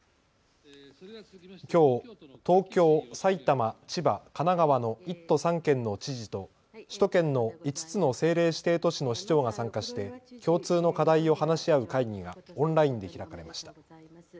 きょう東京、埼玉、千葉、神奈川の１都３県の知事と首都圏の５つの政令指定都市の市長が参加して共通の課題を話し合う会議がオンラインで開かれました。